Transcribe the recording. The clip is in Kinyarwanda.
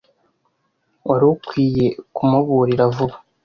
Wari ukwiye kumuburira vuba.